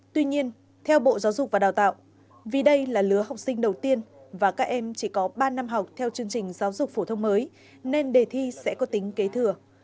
tuy nhiên theo bộ giáo dục và đào tạo vì đây là lứa học sinh đầu tiên và các em chỉ có ba năm học theo chương trình giáo dục phổ thông mới nên đề thi sẽ có tính kế thừa